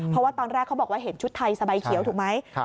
เพราะว่าตอนแรกเขาบอกว่าเห็นชุดไทยสบายเขียวถูกไหม